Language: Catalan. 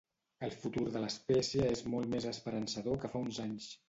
El futur de l'espècie és molt més esperançador que fa uns anys.